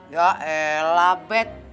ya elah bet